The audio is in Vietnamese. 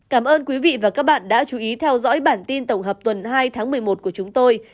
cảm ơn quý vị và các bạn đã chú ý theo dõi bản tin tổng hợp tuần hai tháng một mươi một của chúng tôi